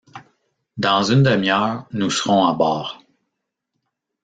Dans une demi-heure nous serons à bord.